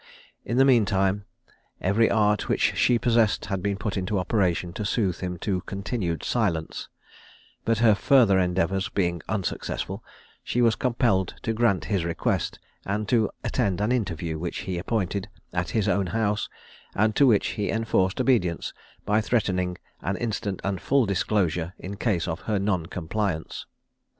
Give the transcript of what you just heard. In the mean time every art which she possessed had been put into operation to soothe him to continued silence; but her further endeavours being unsuccessful, she was compelled to grant his request, and to attend an interview which he appointed, at his own house, and to which he enforced obedience by threatening an instant and full disclosure in case of her non compliance.